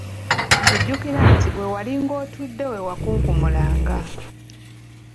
Ojjukira nti we walinga otudde we wakunkumulanga.